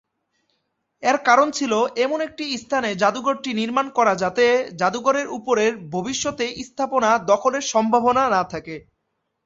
এর কারণ ছিল এমন একটি স্থানে জাদুঘরটি নির্মাণ করা যাতে জাদুঘরের উপরে ভবিষ্যতে স্থাপনা দখলের সম্ভাবনা না থাকে।